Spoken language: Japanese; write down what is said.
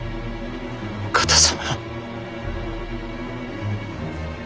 お方様。